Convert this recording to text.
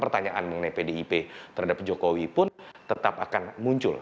pertanyaan mengenai pdip terhadap jokowi pun tetap akan muncul